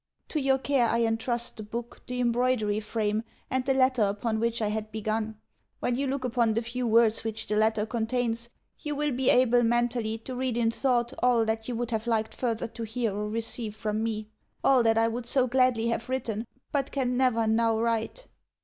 To your care I entrust the book, the embroidery frame, and the letter upon which I had begun. When you look upon the few words which the letter contains you will be able mentally to read in thought all that you would have liked further to hear or receive from me all that I would so gladly have written, but can never now write.